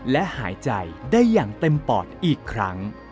และหายใจได้อย่างเต็มปอดอีกครั้ง